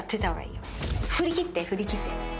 振り切って振り切って。